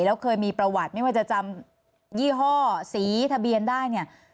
แล้วเคยมีประวัติไม่ว่าจะจำยี่ห้อสีทะเบียนได้เนี่ย